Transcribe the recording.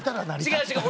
違う違う！